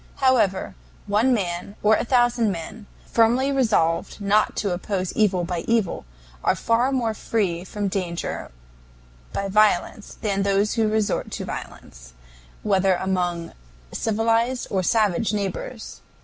However, one man, or a thousand men, firmly resolved not to oppose evil by evil are far more free from danger by violence than those who resort to violence, whether among civilized or savage neighbors.